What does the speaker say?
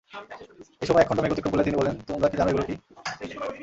এ সময়ে একখণ্ড মেঘ অতিক্রম করলে তিনি বললেনঃ তোমরা কি জান এগুলো কী?